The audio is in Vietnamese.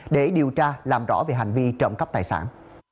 để điều tra làm rõ về hành vi trộm cắp tài sản